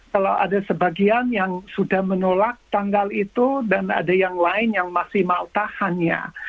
kalau ada sebagian yang sudah menolak tanggal itu dan ada yang lain yang masih mau tahannya